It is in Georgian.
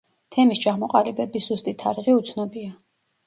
თემის ჩამოყალიბების ზუსტი თარიღი უცნობია.